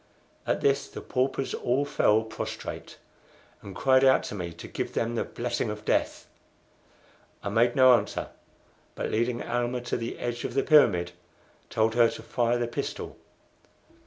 At this the paupers all fell prostrate, and cried out to me to give them the blessing of death. I made no answer, but leading Almah to the edge of the pyramid, told her to fire the pistol.